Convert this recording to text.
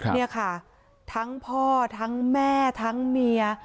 นี่ค่ะทั้งพ่อทั้งแม่ทั้งเมีย